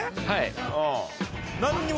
はい。